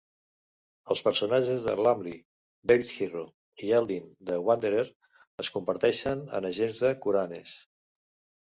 Els personatges de Lumley, David Hero i Eldin the Wanderer, es converteixen en agents de Kuranes.